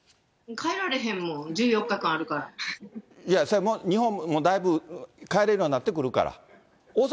帰られへんもん、１４日間あいや、日本もだいぶ帰れるようになってくるから。